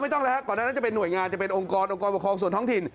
ต้องแล้วครับก่อนหน้านั้นจะเป็นห่วยงานจะเป็นองค์กรองค์กรปกครองส่วนท้องถิ่น